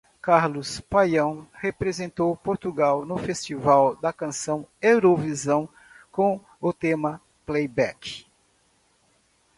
Carlos Paião representou Portugal no Festival da Canção Eurovisão com o tema "Playback".